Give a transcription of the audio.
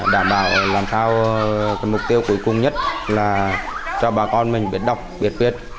đảm bảo làm sao cái mục tiêu cuối cùng nhất là cho bà con mình biết đọc biết viết